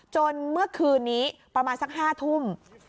เมื่อคืนนี้ประมาณสัก๕ทุ่ม